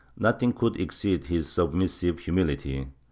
Nothing could exceed his sub missive humility.